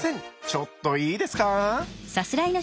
ちょっといいですか？